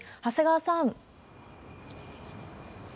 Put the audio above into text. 長谷川さん。